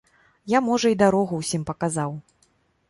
Я, можа, і дарогу ўсім паказаў.